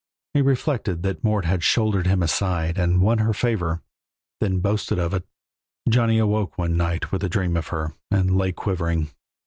He reflected that Mort had shouldered him aside and won her favor, then boasted of it. Johnny awoke one night with a dream of her, and lay quivering.